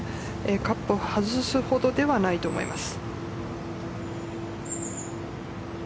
カップを外すほどではないと思います。